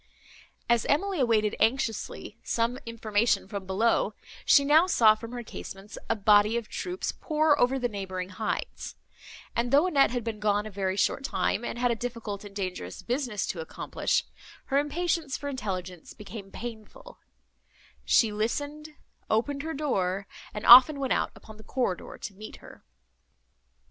As Emily awaited anxiously some information from below, she now saw from her casements a body of troops pour over the neighbouring heights; and, though Annette had been gone a very short time, and had a difficult and dangerous business to accomplish, her impatience for intelligence became painful: she listened; opened her door; and often went out upon the corridor to meet her.